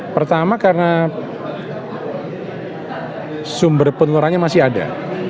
pertama karena sumber penularannya masih ada